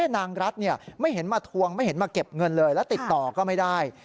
นางรัฐไม่เห็นมาทวงไม่เห็นมาเก็บเงินเลยแล้วติดต่อก็ไม่ได้